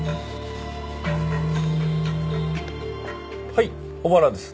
はい小原です。